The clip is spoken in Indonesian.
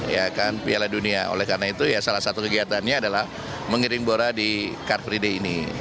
ya kan piala dunia oleh karena itu ya salah satu kegiatannya adalah mengiring bora di car free day ini